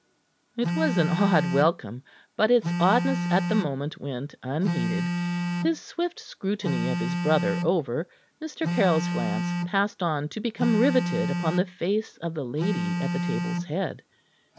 It was an odd welcome, but its oddness at the moment went unheeded. His swift scrutiny of his brother over, Mr. Caryll's glance passed on to become riveted upon the face of the lady at the table's head.